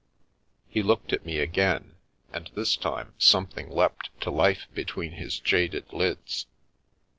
He looked at me again, and this time something leapt to life between his jaded lids.